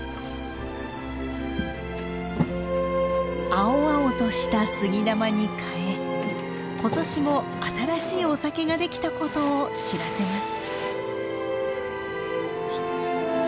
青々とした杉玉に替え今年も新しいお酒が出来たことを知らせます。